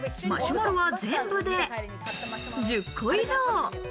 マシュマロは全部で１０個以上。